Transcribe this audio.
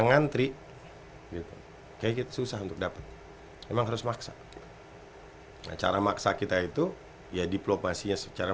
ngantri gitu kayaknya susah untuk dapet memang harus maksa nah cara maksa kita itu ya diplopasi nya secara maksa kita itu ya diplopasi nya secara maksa kita itu ya diplopasi nya secara